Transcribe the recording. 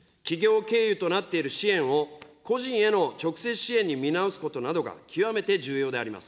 企業経由となっている支援を個人への直接支援に見直すことなどが極めて重要であります。